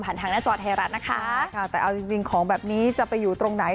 ทางหน้าจอไทยรัฐนะคะใช่ค่ะแต่เอาจริงจริงของแบบนี้จะไปอยู่ตรงไหน